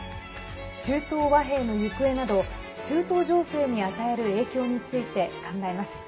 中東和平の行方など中東情勢に与える影響について考えます。